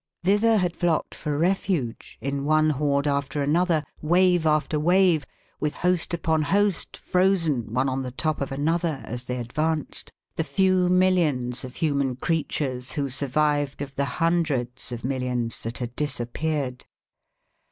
Thither had flocked for refuge, in one horde after another, wave after wave, with host upon host frozen one on the top of another, as they advanced, the few millions of human creatures who survived of the hundreds of millions that had disappeared.